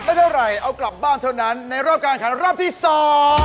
เท่าไหร่เอากลับบ้านเท่านั้นในรอบการขันรอบที่สอง